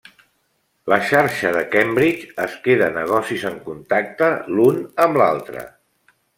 La Xarxa de Cambridge es queda negocis en contacte l'un amb l'altre.